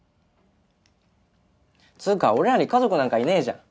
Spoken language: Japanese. つーか俺らに家族なんかいねえじゃん。